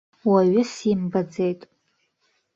Уаҩы симбаӡеит.